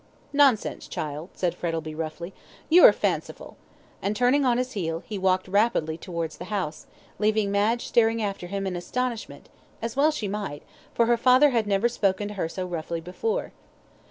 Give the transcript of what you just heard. "Nonsense, child," said Frettlby, roughly, "you are fanciful;" and turning on his heel, he walked rapidly towards the house, leaving Madge staring after him in astonishment, as well she might, for her father had never spoken to her so roughly before.